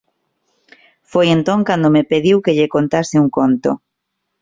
Foi entón cando me pediu que lle contase un conto;